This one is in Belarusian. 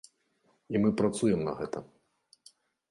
І мы працуем на гэта.